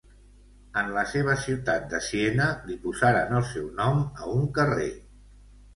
En la seva ciutat de Siena li posaren el seu nom a un carrer.